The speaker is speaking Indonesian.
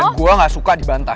gue gak suka dibantah